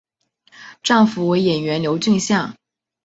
丈夫为演员刘俊相。